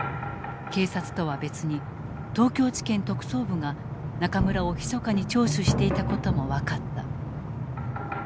警察とは別に東京地検特捜部が中村をひそかに聴取していた事も分かった。